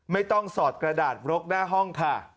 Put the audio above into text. ไม่ต้องสอดกระดาษรกหน้าห้องค่ะ